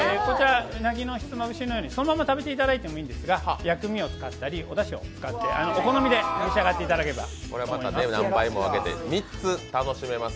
うなぎのひつまぶしのように、そのまま食べてもらってもいいんですが、薬味を使ったりおだしを使ってお好みで召し上がっていただければと思います。